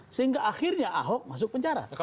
sehingga akhirnya ahok masuk penjara